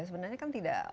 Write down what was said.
sebenarnya kan tidak